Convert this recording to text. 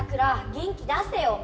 元気出せよ。